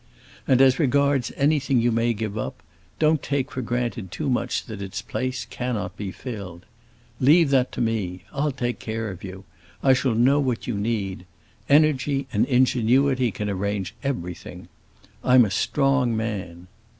And as regards anything you may give up, don't take for granted too much that its place cannot be filled. Leave that to me; I'll take care of you; I shall know what you need. Energy and ingenuity can arrange everything. I'm a strong man!